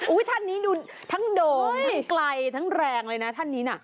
ท่านนี้ดูทั้งโด่งทั้งไกลทั้งแรงเลยนะท่านนี้น่ะ